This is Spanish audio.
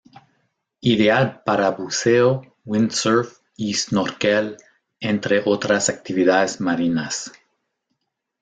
Ideal para buceo, windsurf y snorkel entre otras actividades marinas.